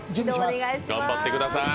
頑張ってください。